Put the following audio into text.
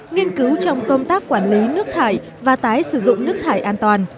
nghiên cứu trong công tác quản lý nước thải và tái sử dụng nước thải an toàn